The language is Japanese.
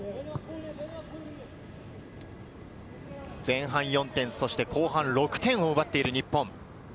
前半４点、後半６点を奪っている日本。